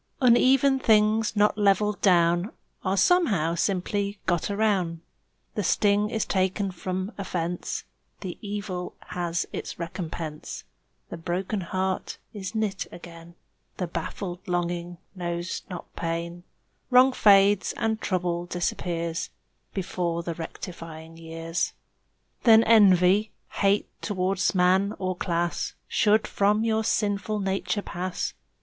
Uneven things not leveled down Are somehow simply got aroun'; The sting is taken from offence; The evil has its recompense; The broken heart is knit again; The baffled longing knows not pain; Wrong fades and trouble disappears Before the rectifying years. Then envy, hate towards man or class Should from your sinful nature pass.